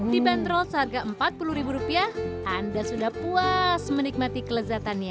dibanderol seharga empat puluh rupiah anda sudah puas menikmati kelezatannya